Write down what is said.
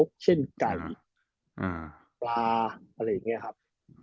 อย่างเช่นไก่ปลาอะไรอย่างเงี้ยครับ